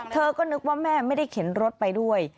เธอก็นึกว่าแม่ไม่ได้เข็นรถไปด้วย